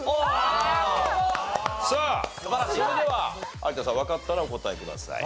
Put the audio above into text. さあそれでは有田さんわかったらお答えください。